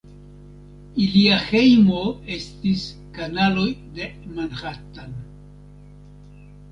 Ilia hejmo estis kanaloj de Manhattan.